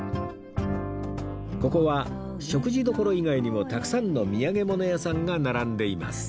ここは食事処以外にもたくさんの土産物屋さんが並んでいます